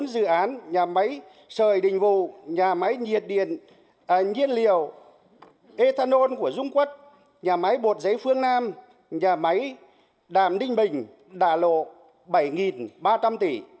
bốn dự án nhà máy sời đình vụ nhà máy nhiệt liệu ethanol của dung quốc nhà máy bột giấy phương nam nhà máy đàm đinh bình đả lộ bảy ba trăm linh tỷ